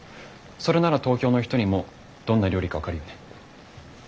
それなら東京の人にもどんな料理か分かるよね。